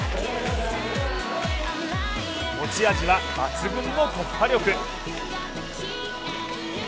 持ち味は抜群の突破力。